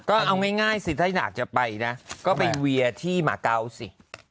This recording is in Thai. ก็เอาง่ายสิถ้าอยากจะไปนะก็ไปเวียที่หมาเกาสิ